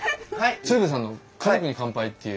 鶴瓶さんの「家族に乾杯」っていう。